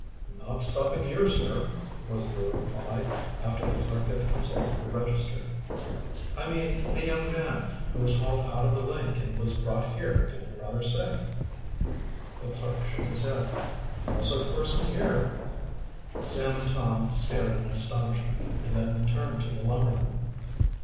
"Not stopping here, sir," was the reply, after the clerk had consulted the register. "I mean the young man who was hauled out of the lake and was brought here feeling rather sick." The clerk shook his head. "No such person here." Sam and Tom stared in astonishment, and then turned to the lumberman.